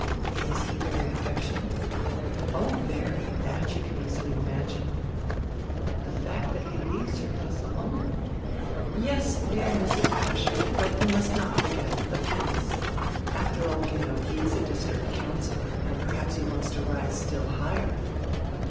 "Is he very affectionate?" "Oh very. That you can easily imagine." "But the fact that he leaves her thus alone —" "Yes, dear Mrs. Paaschen, but you must not forget — die Prince. After all, you know, he is a district councillor, and perhaps he wants to rise still higher."